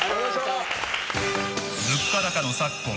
物価高の昨今